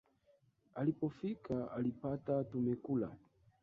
Alipofika alipata tumekula